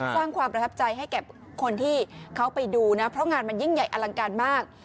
สร้างความประทับใจให้แก่คนที่เขาไปดูนะเพราะงานมันยิ่งใหญ่อลังการมาก